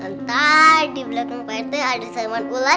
ntar dibelakang pak ranti ada siluman ular